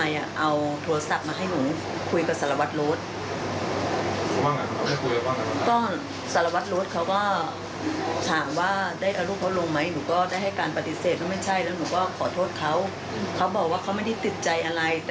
เยอะแล้วก็อะไรอย่างนี้ความเอาลูกเอาอะไรไปลง